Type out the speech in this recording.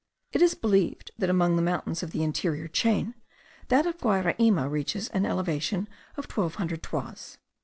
It is believed that among the mountains of the interior chain, that of Guayraima reaches an elevation of twelve hundred toises.